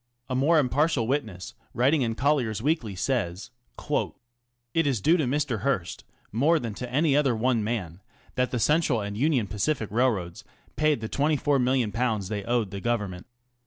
A more impartial witness, writing in Colliers Weekly, says : ŌĆö It is due to Mr. Hearst, "more than to any other one man, that the Central and Union Pacific Railroads paid the ^24,000,000 they owed the Government.